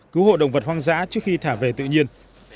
cứu hộ động vật hoang dã trước khi thả về tự nhiên